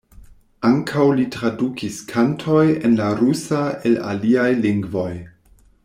Ankaŭ li tradukis kantoj en la rusa el aliaj lingvoj.